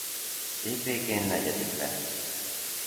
Év végén negyedik lett.